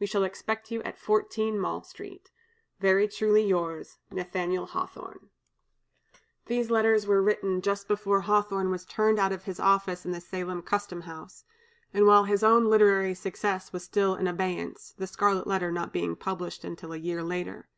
We shall expect you at 14 Mall Street. "Very truly yours, "NATH^L HAWTHORNE." These letters were written just before Hawthorne was turned out of his office in the Salem custom house, and while his own literary success was still in abeyance, the "Scarlet Letter" not being published till a year later.